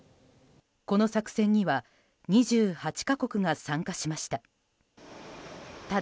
この作戦には２８か国が参加しました。